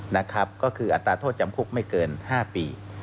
นะครับก็คืออัตราโทษจำคุกไม่เกิน๕ปี